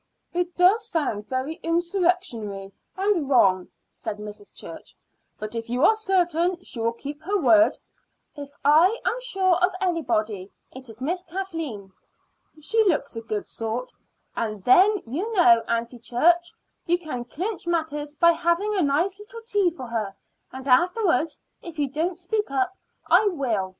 "It does sound very insurrectionary and wrong," said Mrs. Church; "but if you are certain sure she will keep her word " "If I am sure of anybody, it is Miss Kathleen." "She looks a good sort." "And then, you know, Aunty Church, you can clinch matters by having a nice little tea for her; and afterwards, if you don't speak up, I will.